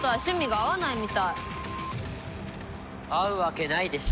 合うわけないでしょ。